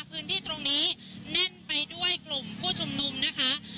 พื้นที่ตรงนี้แน่นไปด้วยกลุ่มผู้ชุมนุมนะคะ